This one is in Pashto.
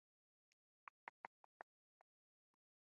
افغانستان له تودوخه ډک دی.